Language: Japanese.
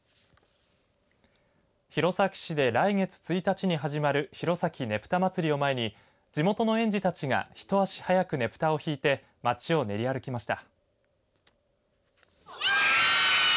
弘前市で来月１日に始まる弘前ねぷたまつりを前に地元の園児たちが一足早くねぷたを引いて街を練り歩きました。